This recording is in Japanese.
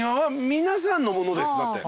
皆さんのものですって。